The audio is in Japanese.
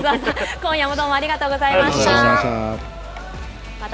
今回もどうもありがとうございました。